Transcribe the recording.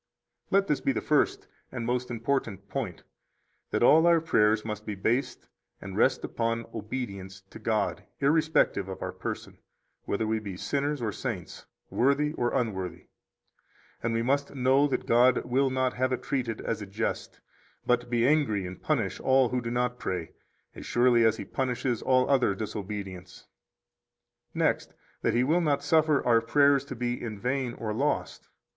17 Let this be the first and most important point, that all our prayers must be based and rest upon obedience to God, irrespective of our person, whether we be sinners or saints, worthy or unworthy. 18 And we must know that God will not have it treated as a jest, but be angry, and punish all who do not pray, as surely as He punishes all other disobedience; next, that He will not suffer our prayers to be in vain or lost.